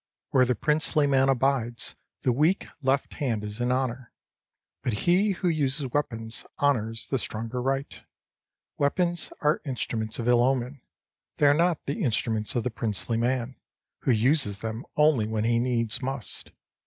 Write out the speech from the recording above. Where the princely man abides, the weak left hand is in honour. But he who uses weapons honours the stronger right. Weapons are instru ments of ill omen ; they are not the instruments of the princely man, who uses them only when he needs must.